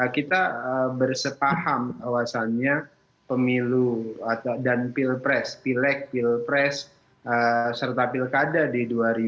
kita bersepaham alasannya pemilu dan pilpres pilek pilpres serta pilkada di dua ribu dua puluh